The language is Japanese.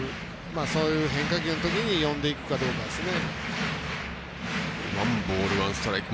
そういう変化球のときに読んでいくかどうかですね。